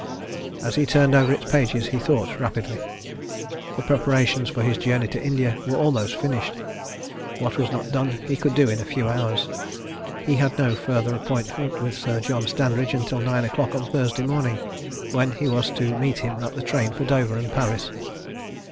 As he turned over its pages, he thought rapidly. The preparations for his journey to India were almost finished what was not done he could do in a few hours. He had no further appointment with Sir John Standridge until nine o'clock on Thursday morning, when he was to meet him at the train for Dover and Paris.